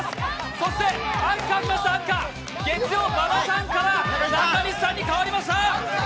そしてアンカー、月曜、馬場さんから中西さんに変わりました。